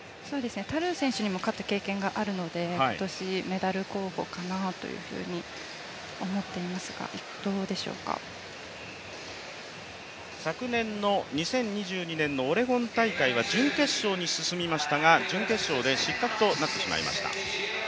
タルー選手にも勝った経験があるので、今年メダル候補だと思っていますが昨年の２０２２年のオレゴン大会は準決勝に進みましたが、準決勝で失格となってしまいました。